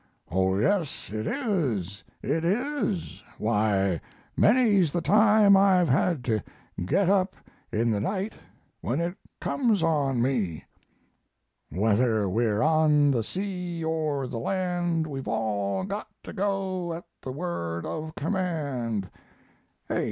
"Oh yes, it is it is Why, many's the time I've had to get up in the night when it comes on me: Whether we're on the sea or the land We've all got to go at the word of command "Hey!